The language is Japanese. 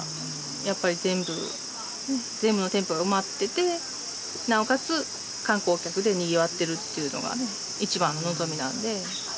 やっぱり全部の店舗が埋まっててなおかつ観光客でにぎわってるっていうのがね一番の望みなんで。